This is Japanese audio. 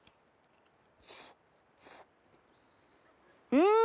うん！